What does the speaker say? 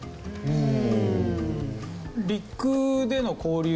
うん。